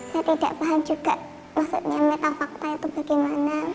saya tidak paham juga maksudnya metafakta itu bagaimana